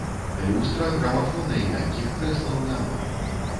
Люстра, грамафона і мяккіх крэслаў няма.